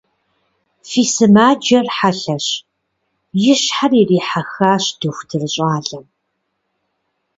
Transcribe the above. Фи сымаджэр хьэлъэщ, – и щхьэр ирихьэхащ дохутыр щӏалэм.